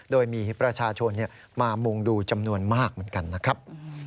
โดยมีประชาชนมามุงดูจำนวนมากเหมือนกันนะครับ